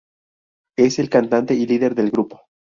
Es el cantante y líder del grupo.